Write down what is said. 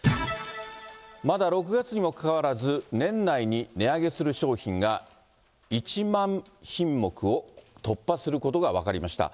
まだ６月にもかかわらず年内に値上げする商品が１万品目を突破することが分かりました。